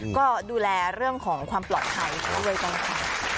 ก็ดูแลเรื่องของความปลอดภัยเขาด้วยกันค่ะ